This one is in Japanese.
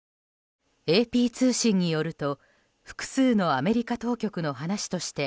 ＡＰ通信によると複数のアメリカ当局の話として